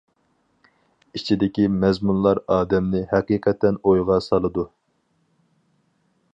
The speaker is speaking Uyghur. ئىچىدىكى مەزمۇنلار ئادەمنى ھەقىقەتەن ئويغا سالىدۇ.